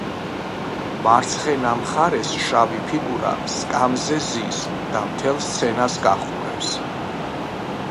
მარცხენა მხარეს შავი ფიგურა სკამზე ზის და მთელ სცენას გაჰყურებს.